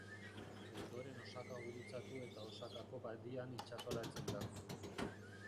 Ondoren Osaka gurutzatu eta Osakako Badian itsasoratzen da.